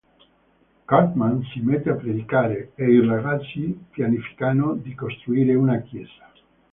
Cartman si mette a predicare, e i ragazzi pianificano di costruire una chiesa.